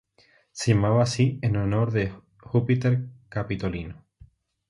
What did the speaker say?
Se llamaba así en honor de Júpiter Capitolino.